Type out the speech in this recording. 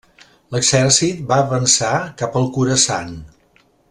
L'exèrcit va avançar cap al Khorasan.